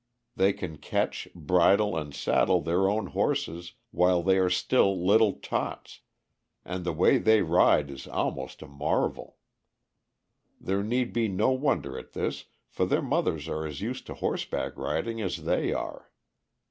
They can catch, bridle, and saddle their own horses while they are still "little tots," and the way they ride is almost a marvel. There need be no wonder at this, for their mothers are as used to horseback riding as they are.